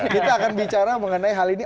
kita akan bicara mengenai hal ini